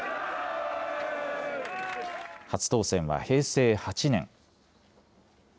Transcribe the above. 初当選は平成８年。